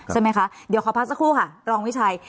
ใช่ไหมคะเดี๋ยวขอพักสักครู่ค่ะรองวิชัย